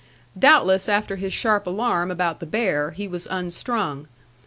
Doubtless after his sharp alarm about the bear, he was unstrung.